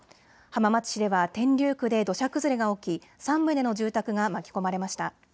浜松市では天竜区で土砂崩れが起き、３棟の住宅が巻き込まれました。